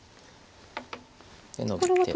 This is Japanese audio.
でノビて。